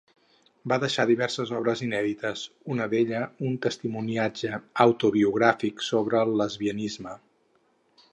Va deixar diverses obres inèdites, una d'ella un testimoniatge autobiogràfic sobre el lesbianisme.